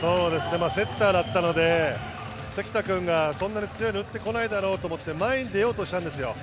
セッターだったので関田君がそんなに強いの打ってこないだろうと思って、前に出ようとしたんですよ。